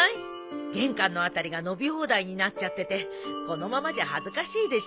玄関の辺りが伸び放題になっちゃっててこのままじゃ恥ずかしいでしょう。